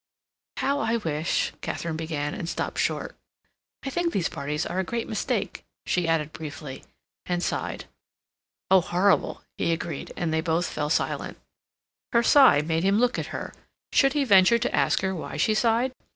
"How I wish—" Katharine began, and stopped short. "I think these parties are a great mistake," she added briefly, and sighed. "Oh, horrible!" he agreed; and they both fell silent. Her sigh made him look at her. Should he venture to ask her why she sighed?